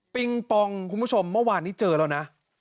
ปองคุณผู้ชมเมื่อวานนี้เจอแล้วนะ